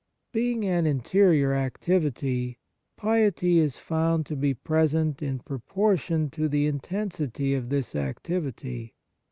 Being an interior activity, piety is found to be present in proportion to the intensity of this activity.